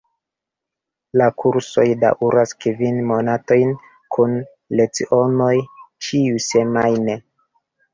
La kursoj daŭras kvin monatojn kun lecionoj ĉiusemajne.